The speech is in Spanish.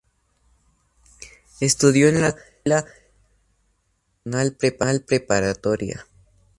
Estudió en la "Escuela Nacional Preparatoria".